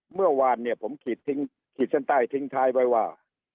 เมื่อวานเนี่ยผมขีดเส้นใต้ทิ้งท้ายไว้ว่า